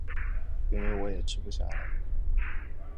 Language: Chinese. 因为我也吃不下了